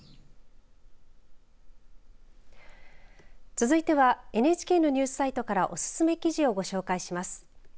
続いてはＮＨＫのニュースサイトからおすすめ記事をご紹介します。